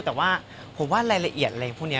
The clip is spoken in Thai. แต่ว่าผมว่ารายละเอียดอะไรพวกนี้